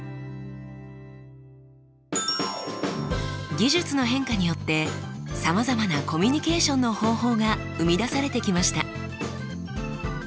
技術の変化によってさまざまなコミュニケーションの方法が生み出されてきました。